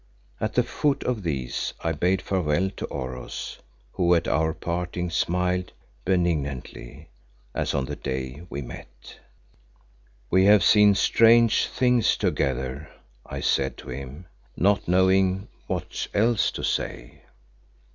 At the foot of these I bade farewell to Oros, who at our parting smiled benignantly as on the day we met. "We have seen strange things together," I said to him, not knowing what else to say.